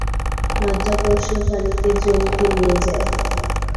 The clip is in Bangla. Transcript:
মাধ্যাকর্ষণ পানিকে জমিতে নিয়ে যায়।